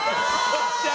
よっしゃ。